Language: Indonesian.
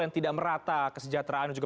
yang tidak merata kesejahteraan juga